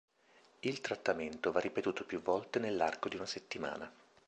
Il trattamento va ripetuto più volte nell'arco di una settimana.